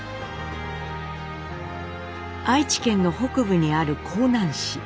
愛知県の北部にある江南市。